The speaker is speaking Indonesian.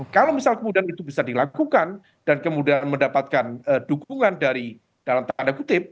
kalau misal kemudian itu bisa dilakukan dan kemudian mendapatkan dukungan dari dalam tanda kutip